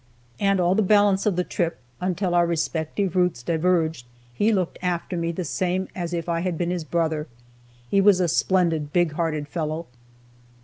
And all the balance of the trip, until our respective routes diverged, he looked after me the same as if I had been his brother. He was a splendid, big hearted fellow.